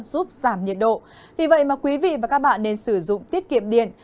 giúp giảm nhiệt độ vì vậy mà quý vị và các bạn nên sử dụng tiết kiệm điện